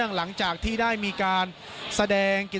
แล้วก็ยังมวลชนบางส่วนนะครับตอนนี้ก็ได้ทยอยกลับบ้านด้วยรถจักรยานยนต์ก็มีนะครับ